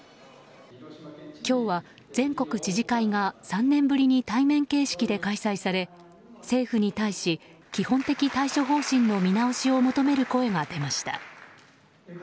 今日は、全国知事会が３年ぶりに対面形式で開催され政府に対し、基本的対処方針の見直しを求める声が上がりました。